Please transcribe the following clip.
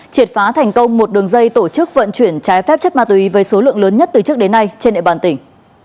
triệt phá thành công một đường dây tổ chức vận chuyển trái phép chất ma túy với số lượng lớn nhất từ trước đến nay trên địa bàn tỉnh